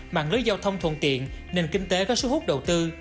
mạng lưới giao thông thuận tiện nền kinh tế có số hút đầu tư